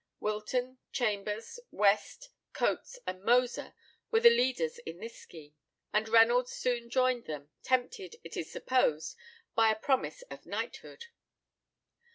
Wilton, Chambers, West, Cotes, and Moser, were the leaders in this scheme, and Reynolds soon joined them, tempted, it is supposed, by a promise of knighthood.